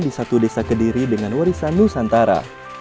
di satu desa kediri dengan warisan nusantara